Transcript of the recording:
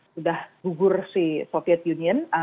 sudah gugur si soviet union